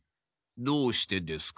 どうしてですか？